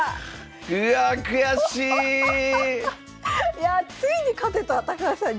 いやあついに勝てた高橋さんに。